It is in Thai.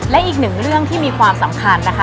และอีกหนึ่งเรื่องที่มีความสำคัญนะคะ